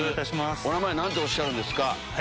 お名前何ておっしゃるんですか？